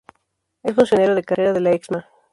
Es funcionario de carrera de la Excma.